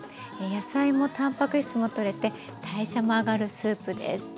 野菜もたんぱく質もとれて代謝も上がるスープです。